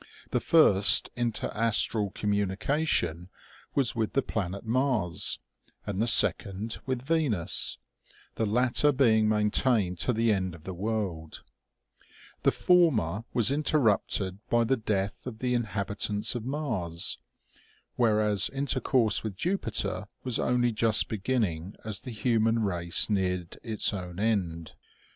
The first interastral com munication was with the planet Mars, and the sec ond with Venus, the latter being maintained to the end of the world ; the EVEN CHILDREN KNEW HOW TO AVAIL THEMSELVES OF IT.' OMEGA. 205 former was interrupted by the death of the inhabitants of Mars ; whereas intercourse with Jupiter was only just beginning as the human race neared its own end.